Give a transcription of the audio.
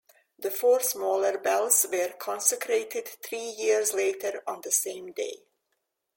The four smaller bells were consecrated three years later on the same day.